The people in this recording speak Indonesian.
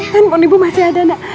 telepon ibu masih ada enggak